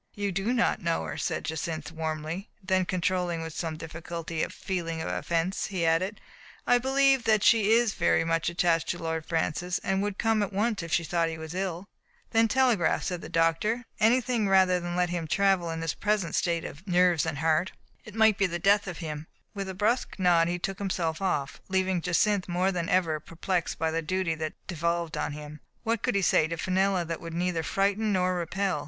"You do not know her," said Jacynth warmly; then, controlling with some difficulty a feeling of offense, he added, "I believe that she is very much attached to Lord Francis, and would come at once if she thought that he was ill." "Then telegraph," said the doctor. "Anything rather than let him travel in his present state of Digitized by Google 266 7 HE FATE OF FEN ELLA, nerves and heart. It might be the death of him.'* And with a brusque nod he took himself off, leaving Jacynth more than ever perplexed by the duty that devolved on him. What could he say to Fenella that would neither frighten nor repel?